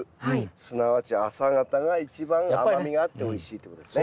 すなわち朝方が一番甘みがあっておいしいってことですね。